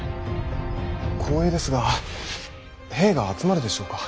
光栄ですが兵が集まるでしょうか。